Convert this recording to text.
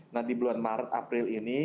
nah di bulan maret april ini